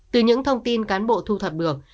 từ những thông tin cán bộ thu thập được